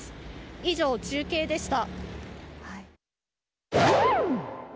以上、中継でした。